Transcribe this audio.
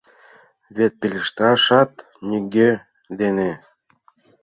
Вет пелешташат нигӧ дене.